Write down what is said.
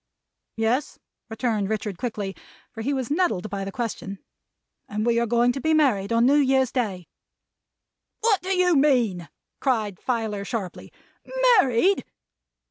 "Yes," returned Richard quickly, for he was nettled by the question. "And we are going to be married on New Year's Day." "What do you mean?" cried Filer sharply. "Married!"